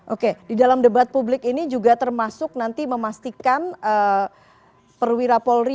oke di dalam debat publik ini juga termasuk nanti memastikan perwira polri